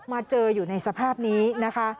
มาเจออยู่ในสภาพนี้นะคะ